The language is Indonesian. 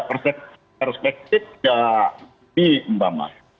perspektif ya ini pak mak